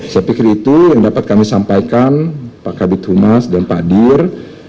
saya pikir itu yang dapat kami sampaikan pak kabit humas dan pak dir